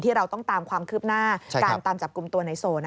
ที่เราต้องตามความคืบหน้าการจับกุมตัวนายโซ่